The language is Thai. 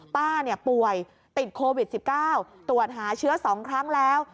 ป่วยติดโควิด๑๙ตรวจหาเชื้อ๒ครั้งแล้ว